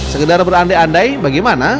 sekedar berandai andai bagaimana